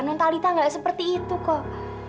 mentalitas nggak seperti itu kok